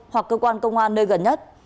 hoặc cơ quan công an nơi gần nhất